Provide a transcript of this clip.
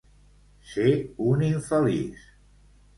Ser un infeliç.